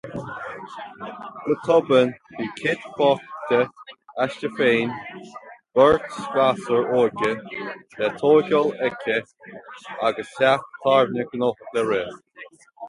Go tobann, bhí Kitt fágtha aisti féin, beirt ghasúr óg le tógáil aici agus teach tábhairne gnóthach le rith.